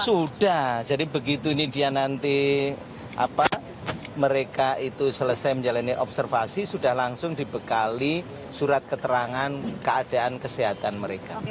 sudah jadi begitu ini dia nanti mereka itu selesai menjalani observasi sudah langsung dibekali surat keterangan keadaan kesehatan mereka